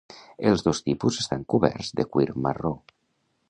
Els dos tipus estan coberts de cuir marró.